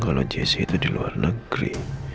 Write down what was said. kalau jc itu di luar negeri